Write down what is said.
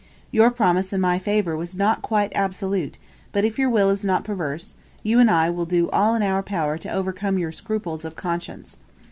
Your promise in my favour was not quite absolute, but if your will is not perverse, you and I will do all in our power to overcome your scruples of conscience.